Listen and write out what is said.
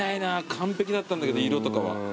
完璧だったんだけど色とかは。